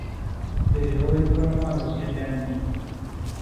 Heredó el trono a los siete años.